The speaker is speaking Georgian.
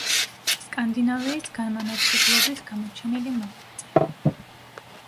სკანდინავიის განმანათლებლობის გამოჩენილი მოღვაწე.